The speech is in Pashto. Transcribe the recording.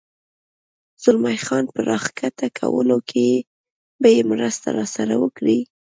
زلمی خان په را کښته کولو کې به یې مرسته راسره وکړې؟